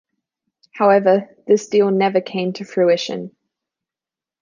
However, this deal never came to fruition.